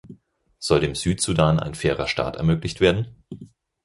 Soll dem Südsudan ein fairer Start ermöglicht werden?